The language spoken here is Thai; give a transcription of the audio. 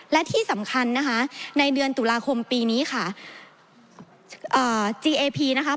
และที่สำคัญนะคะในเดือนตุลาคมปีนี้ค่ะ